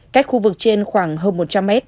cách khu vực trên khoảng hơn một trăm linh mét